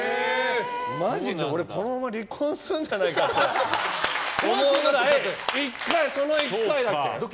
マジで俺このまま離婚するんじゃないかって思うぐらいその１回だけ。